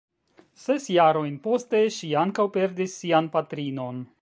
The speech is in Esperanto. Ses jarojn poste, ŝi ankaŭ perdis sian patrinon.